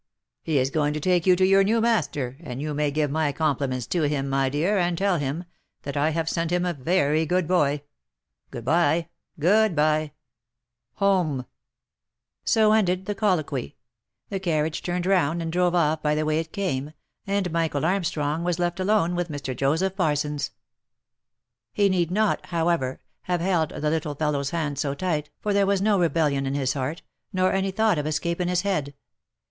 " He is going to take you to your new master, and you may give my compliments to him, my dear, and tell him, that I have sent him a very good boy. Good bye !— Good bye !— Home !" So ended the colloquy ; the carriage turned round and drove off by the way it came, and Michael Armstrong was left alone with Mr. Joseph Parsons. He need not, however, have held the little fellow's hand so tight, for there was no rebellion in his heart, nor any thought of escape in his head.